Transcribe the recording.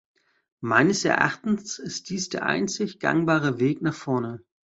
Meines Erachtens ist dies der einzig gangbare Weg nach vorne.